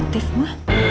gak aktif ma